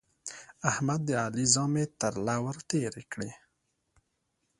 احمد د علي زامې تر له ور تېرې کړې.